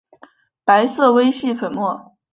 白色微细粉末。